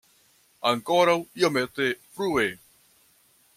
Ankoraŭ iomete frue.